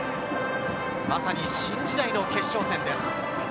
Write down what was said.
まさに新時代の決勝戦です。